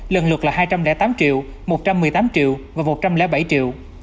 lần lượt là hai trăm linh tám triệu một trăm một mươi tám triệu và một trăm linh bảy triệu